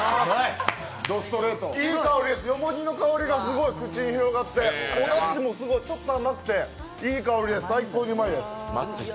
いい香りです、よもぎの香りがすごい口に広がって、おだしもすごい、ちょっと甘くていい香りです、最高にうまいです。